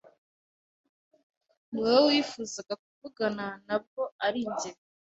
Niwowe wifuzaga kuvugana na , ntabwo ari njye.